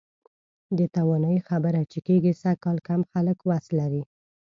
د توانایي خبره چې کېږي، سږکال کم خلک وس لري.